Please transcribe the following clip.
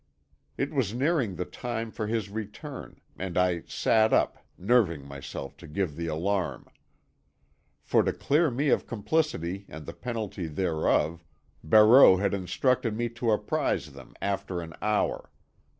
It was nearing the time for his return, and I sat up, nerving myself to give the alarm. For to clear me of complicity and the penalty thereof, Barreau had instructed me to apprise them after an hour.